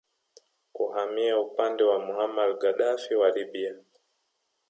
kuhamia upande wa Muammar Gaddafi wa Libya